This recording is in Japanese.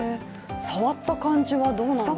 触った感じはどうなんですか？